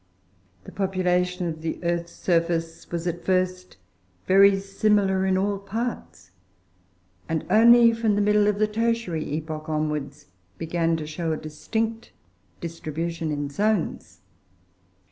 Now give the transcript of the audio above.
The population of the earth's surface was at first very similar in all parts, and only from the middle of the Tertiary epoch onwards, began to show a distinct distribution in zones.